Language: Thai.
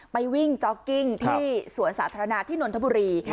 ไปวิ่งจ๊อกกิ้งที่สวนสาธารณะที่นนทบุรี